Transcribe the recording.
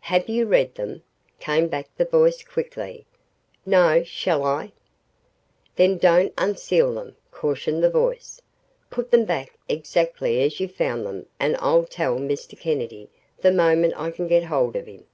"Have you read them?" came back the voice quickly. "No shall I?" "Then don't unseal them," cautioned the voice. "Put them back exactly as you found them and I'll tell Mr. Kennedy the moment I can get hold of him."